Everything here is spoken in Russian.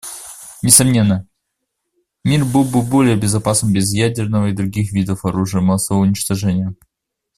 Несомненно, мир был бы более безопасным без ядерного и других видов оружия массового уничтожения.